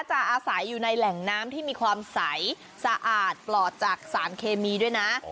อาศัยอยู่ในแหล่งน้ำที่มีความใสสะอาดปลอดจากสารเคมีด้วยนะ